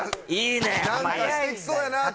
いいね！